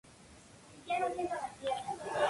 Periódico Deia.